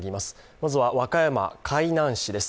まずは和歌山・海南市です。